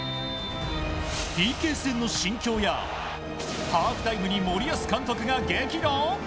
ＰＫ戦の心境やハーフタイムに森保監督が激怒？